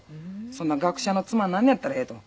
「そんなん学者の妻になんのやったらええ」と。